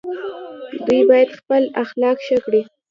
دوی باید خپل اخلاق ښه کړي.